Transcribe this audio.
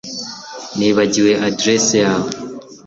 Nibagiwe adresse yawe